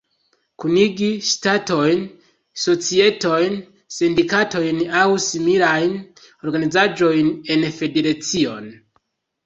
Kunigi ŝtatojn, societojn, sindikatojn aŭ similajn organizaĵojn en federacion.